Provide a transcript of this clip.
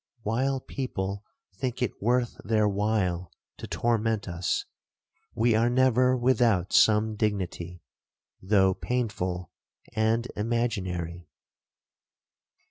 While people think it worth their while to torment us, we are never without some dignity, though painful and imaginary.